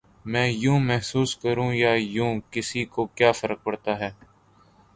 میں یوں محسوس کروں یا یوں، کسی کو کیا فرق پڑتا ہے؟